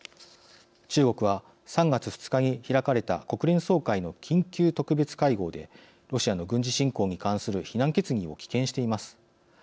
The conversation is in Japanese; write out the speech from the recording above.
中国は３月２日に開かれた国連総会の緊急特別会合でロシアの軍事侵攻に関する非難決議を棄権しています。